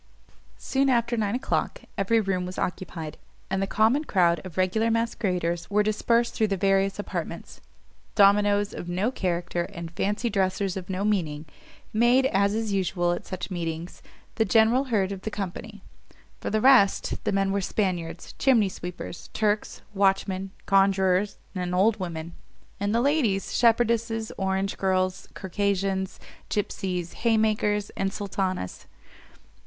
Soon after nine o'clock, every room was occupied, and the common crowd of regular masqueraders were dispersed through the various apartments. Dominos of no character, and fancy dresses of no meaning, made, as is usual at such meetings, the general herd of the company: for the rest, the men were Spaniards, chimney sweepers, Turks, watchmen, conjurers, and old women; and the ladies, shepherdesses, orange girls, Circassians, gipseys, haymakers, and sultanas.